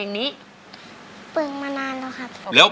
เพลงนี้ที่๕หมื่นบาทแล้วน้องแคน